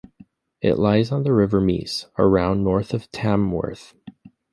It lies on the River Mease, around north of Tamworth.